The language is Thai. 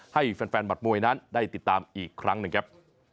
ให้แฟนหมัดมวยนั้นได้ติดตามอีกครั้งหนึ่งครับ